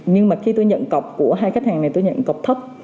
nhưng mà khi tôi nhận cọc của hai khách hàng này tôi nhận cọc thấp